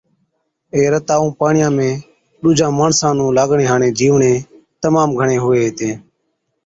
اي رتا ائُون پاڻِياٺا ۾ ڏُوجان ماڻسان نُون لاگڻي هاڙين جِيوڙَين تمام گھڻي هُوَي هِتين۔